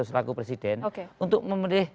selaku presiden untuk memilih